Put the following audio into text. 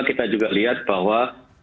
kita juga lihat bahwa